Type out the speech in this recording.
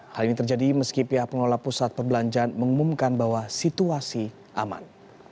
hal ini terjadi meski pihak pengelola pusat perbelanjaan mengumumkan bahwa situasi aman